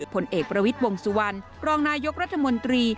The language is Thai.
ผลเอกประวิทย์วงสุวรรณรองนายกรัฐมนตรี